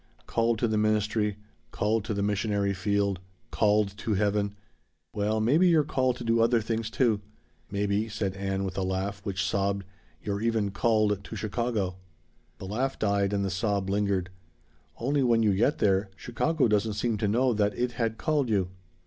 Called to the ministry called to the missionary field called to heaven. Well maybe you're called to other things, too. Maybe," said Ann with a laugh which sobbed, "you're even 'called' to Chicago." The laugh died and the sob lingered. "Only when you get there Chicago doesn't seem to know that it had called you.